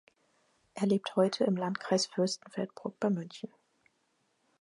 Er lebt heute im Landkreis Fürstenfeldbruck bei München.